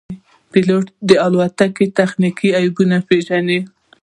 پیلوټ د الوتکې تخنیکي عیبونه پېژني.